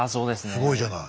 すごいじゃない。